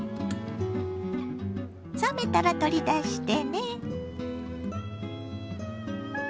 冷めたら取り出してね。